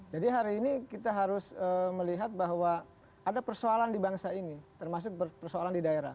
jadi hari ini kita harus melihat bahwa ada persoalan di bangsa ini termasuk persoalan di daerah